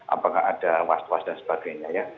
apakah ada was was dan sebagainya ya